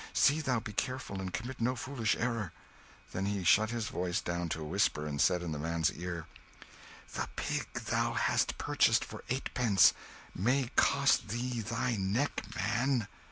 See thou be careful and commit no foolish error," then he shut his voice down to a whisper, and said in the man's ear "the pig thou hast purchased for eightpence may cost thee thy neck, man!"